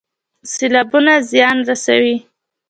سیلابونه زیان رسوي